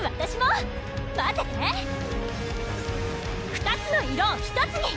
２つの色を１つに！